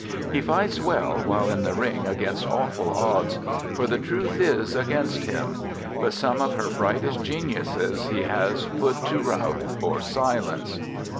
He fights well while in the ring against awful odds, for the truth is against him, but some of her brightest geniuses he has put to rout or silence.